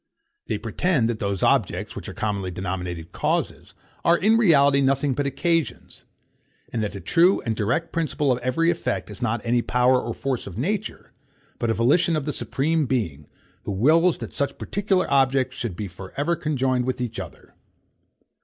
They pretend that those objects which are commonly denominated causes, are in reality nothing but occasions; and that the true and direct principle of every effect is not any power or force in nature, but a volition of the Supreme Being, who wills that such particular objects should for ever be conjoined with each other.